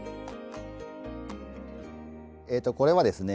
これはですね